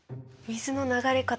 水の流れ方。